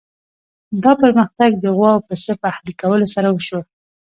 دا پرمختګ د غوا او پسه په اهلي کولو سره وشو.